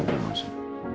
udah gak usah